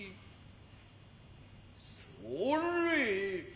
それ。